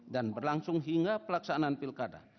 dan berlangsung hingga pelaksanaan pilkada